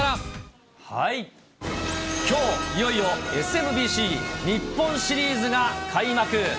きょう、いよいよＳＭＢＣ日本シリーズが開幕。